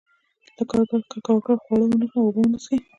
که کارګر خواړه ونه خوري او اوبه ونه څښي